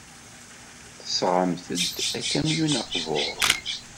Tesɣamt-d akamyun aqbur.